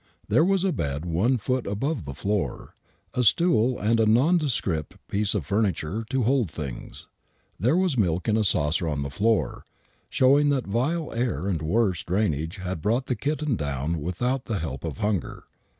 There was a bed one foot above the floor, a stool and a nondescript piece of furniture to hold things. There was milk in a saucer on the floor, showing that vile air and worse drainage had brought the kitten down without the help of hunger.